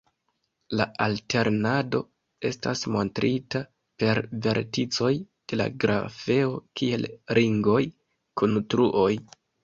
La alternado estas montrita per verticoj de la grafeo kiel ringoj kun truoj.